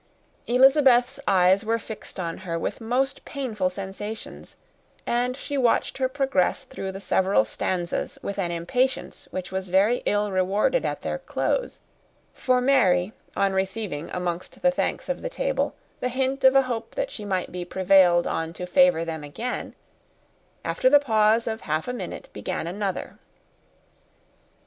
Elizabeth's eyes were fixed on her, with most painful sensations; and she watched her progress through the several stanzas with an impatience which was very ill rewarded at their close; for Mary, on receiving amongst the thanks of the table the hint of a hope that she might be prevailed on to favour them again, after the pause of half a minute began another.